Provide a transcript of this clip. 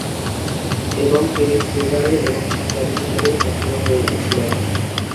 এবং তিনি থিয়েটারে এবং সাংবাদিক হিসাবেও সক্রিয় হয়ে উঠেছিলেন।